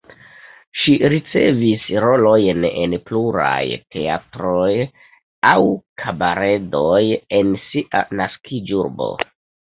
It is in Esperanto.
Ŝi ricevis rolojn en pluraj teatroj aŭ kabaredoj en sia naskiĝurbo.